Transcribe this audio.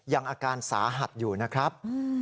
อาการสาหัสอยู่นะครับ